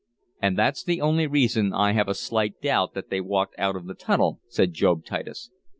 "And that's the only reason I have a slight doubt that they walked out of the tunnel," said Job Titus.